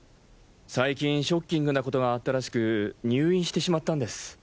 最近ショッキングなことがあったらしく入院してしまったんです。